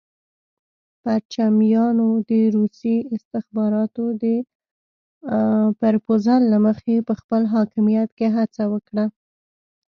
پرچمیانو د روسي استخباراتو د پرپوزل له مخې په خپل حاکمیت کې هڅه وکړه.